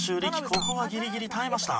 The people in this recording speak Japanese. ここはギリギリ耐えました。